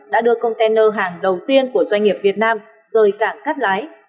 đã đưa container hàng đầu tiên của doanh nghiệp việt nam rời cảng cát lái